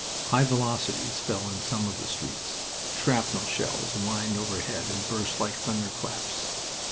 High velocities fell in some of the streets, shrapnel shells whined overhead and burst like thunderclaps.